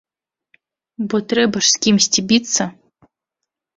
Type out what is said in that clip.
Бо трэба ж з кімсьці біцца.